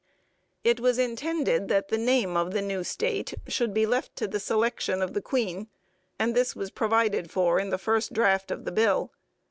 It was intended that the name of the new state should be left to the selection of the Queen, and this was provided for in the first draft of the bill.